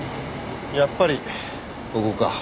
やっぱりここか。